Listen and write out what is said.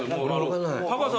タカさん